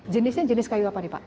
jenisnya jenis kayu apa nih pak